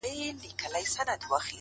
نظم ګډوډي کمزورې کوي؛